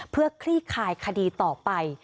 เพื่อคลี่คายคดีต่อไป